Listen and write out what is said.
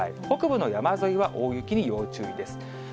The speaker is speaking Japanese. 北部の山沿いは大雪に要注意です。